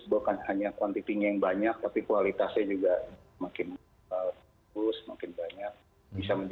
bukan hanya kuantitinya yang banyak tapi kualitasnya juga makin bagus makin banyak